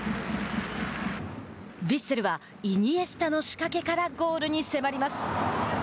ヴィッセルはイニエスタの仕掛けからゴールに迫ります。